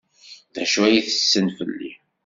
D acu ay yessen fell-i?